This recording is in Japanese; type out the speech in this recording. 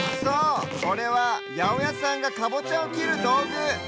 そうこれはやおやさんがかぼちゃをきるどうぐ。